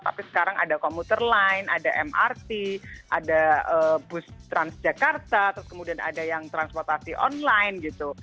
tapi sekarang ada komuter line ada mrt ada bus transjakarta terus kemudian ada yang transportasi online gitu